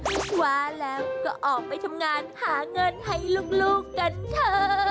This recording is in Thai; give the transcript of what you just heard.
ว่าแล้วก็ออกไปทำงานหาเงินให้ลูกกันเถอะ